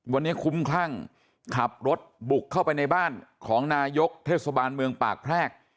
วันนี้คุ้มคลั่งขับรถบุกเข้าไปในบ้านของนายกเทศบาลเมืองปากแพรก